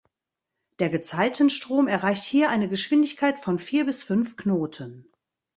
Der Gezeitenstrom erreicht hier eine Geschwindigkeit von vier bis fünf Knoten.